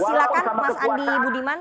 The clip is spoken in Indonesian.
silahkan mas andi budiman